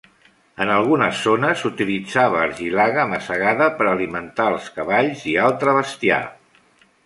En algunes zones s'utilitzava argilaga masegada per alimentar els cavalls i altre bestiar.